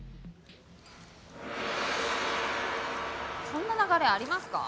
そんな流れありますか？